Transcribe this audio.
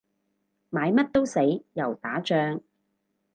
買乜都死，又打仗